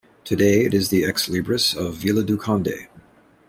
Today it is the ex-libris of Vila do Conde.